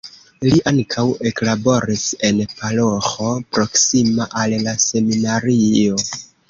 Li ankaŭ eklaboris en paroĥo proksima al la seminario.